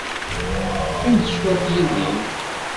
Qqimet cwiṭ yid-i.